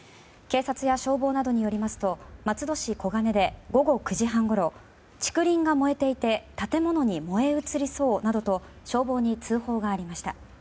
警察や消防などによりますと松戸市小金で午後９時半ごろ竹林が燃えていて建物に燃え移りそうなどと消防に通報がありました。